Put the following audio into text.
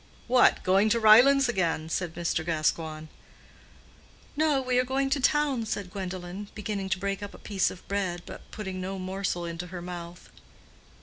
"What! going to Ryelands again?" said Mr. Gascoigne. "No, we are going to town," said Gwendolen, beginning to break up a piece of bread, but putting no morsel into her mouth.